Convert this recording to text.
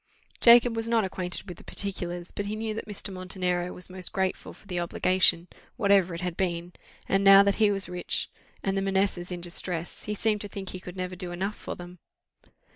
Jacob was not acquainted with the particulars, but he knew that Mr. Montenero was most grateful for the obligation, whatever it had been; and now that he was rich and the Manessas in distress, he seemed to think he could never do enough for them.